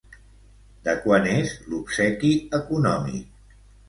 De quant és l'obsequi econòmic?